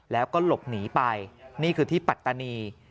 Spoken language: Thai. แล้วก็หลบหนีไปนี่คือที่ปัตตานี